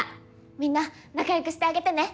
みんな仲良くしてあげてね！